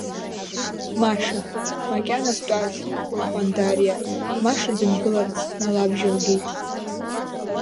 Маша, макьана бтәаз, — лҳәан Дариа, Маша дымгыларц налабжьалгеит.